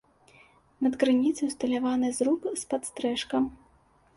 Над крыніцай усталяваны зруб з падстрэшкам.